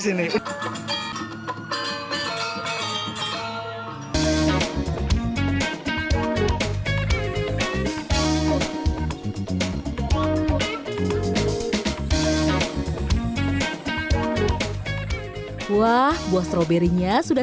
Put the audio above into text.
saya teman keluar yang juga